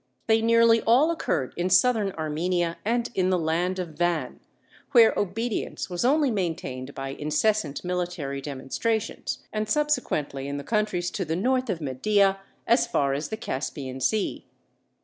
They nearly all occurred in Southern Armenia and in the land of Van, where obedience was only maintained by incessant military demonstrations, and subsequently in the countries to the north of Media as far as the Caspian Sea.